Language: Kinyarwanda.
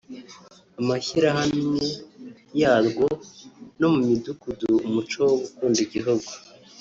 amashyirahamwe yarwo no mu midugudu umuco wo gukunda igihugu